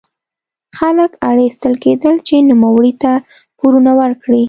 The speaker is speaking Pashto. خلک اړ ایستل کېدل چې نوموړي ته پورونه ورکړي.